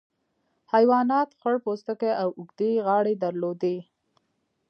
حیواناتو خړ پوستکي او اوږدې غاړې درلودې.